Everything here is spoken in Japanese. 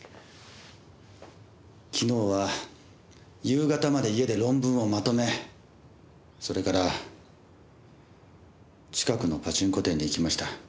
昨日は夕方まで家で論文をまとめそれから近くのパチンコ店に行きました。